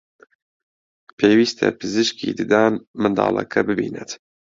پێویستە پزیشکی ددان منداڵەکە ببینێت